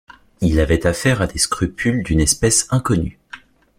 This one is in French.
Il avait affaire à des scrupules d’une espèce inconnue.